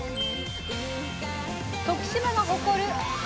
徳島が誇るはも。